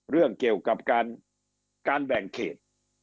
เรื่องเกี่ยวกับการแบ่งเขต